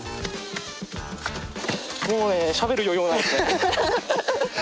もうねしゃべる余裕もないですね。